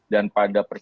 dan pada persis